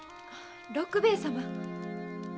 六兵衛様。